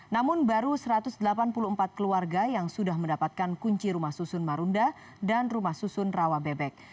namun baru satu ratus delapan puluh empat keluarga yang sudah mendapatkan kunci rumah susun marunda dan rumah susun rawa bebek